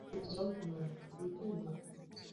hiyo ndiyo ingefaa lakini kupikwa marufuku la